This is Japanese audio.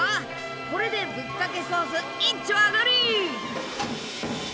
これでぶっかけソースいっちょ上がり！